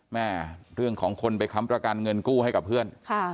เรื่องของคนไปค้ำประกันเงินกู้ให้กับเพื่อน